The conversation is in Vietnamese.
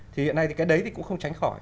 thì hiện nay cái đấy cũng không tránh khỏi